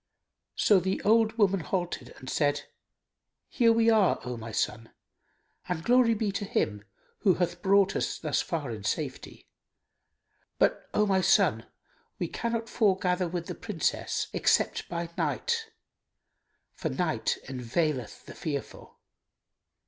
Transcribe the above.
So the old woman halted and said, "Here we are, O my son, and glory be to Him who hath brought us thus far in safety! But, O my son, we cannot foregather with the Princess except by night; for night enveileth the fearful."